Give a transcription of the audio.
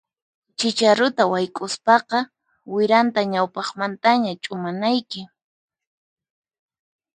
Chicharuta wayk'uspaqa wiranta ñawpaqmantaña ch'umanayki.